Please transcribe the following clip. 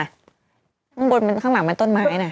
ข้างบนข้างหลังมันต้นไม้น่ะ